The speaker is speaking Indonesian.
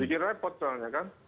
dikira repot soalnya kan